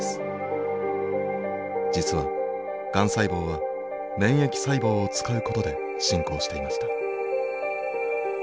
実はがん細胞は免疫細胞を使うことで進行していました。